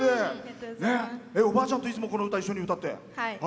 おばあちゃんといつもこの歌、一緒に歌って。